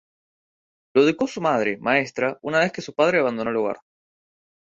Lo educó su madre, maestra, una vez que su padre abandonó el hogar.